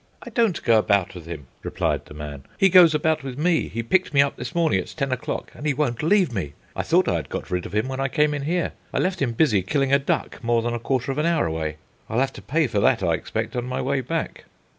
"I don't go about with him," replied the man; "he goes about with me. He picked me up this morning at ten o'clock, and he won't leave me. I thought I had got rid of him when I came in here. I left him busy killing a duck more than a quarter of an hour away. I'll have to pay for that, I expect, on my way back."